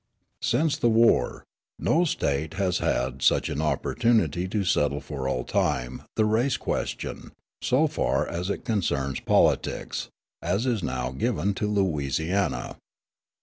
"Since the war, no State has had such an opportunity to settle, for all time, the race question, so far as it concerns politics, as is now given to Louisiana.